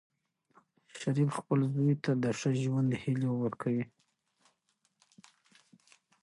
شریف خپل زوی ته د ښه ژوند هیلې ورکوي.